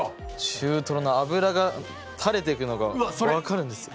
中トロの脂がたれてくのが分かるんですよ。